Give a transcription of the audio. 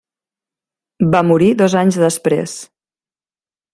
Va morir dos anys després.